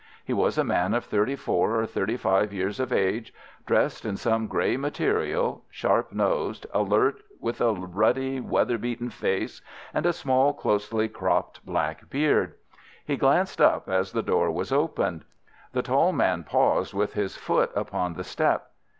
He was a man of thirty four or thirty five years of age, dressed in some grey material, sharp nosed, alert, with a ruddy, weather beaten face, and a small, closely cropped black beard. He glanced up as the door was opened. The tall man paused with his foot upon the step.